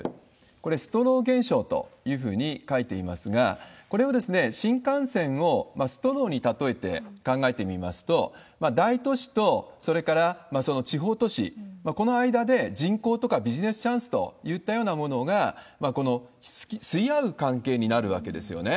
これ、ストロー現象というふうに書いていますが、これは、新幹線をストローに例えて考えてみますと、大都市と、それからその地方都市、この間で人口とかビジネスチャンスといったようなものが、吸い合う関係になるわけですよね。